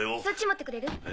そっち持ってくれる？